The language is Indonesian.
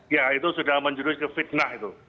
ya itu sudah menjurus ke fitnah itu